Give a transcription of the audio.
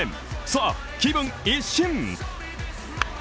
さあ、気分一新。